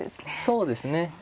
そうですね。